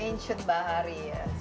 ancient bahari ya